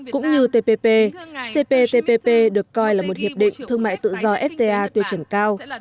cũng như tpp cptpp được coi là một hiệp định thương mại tự do fta tiêu chuẩn cao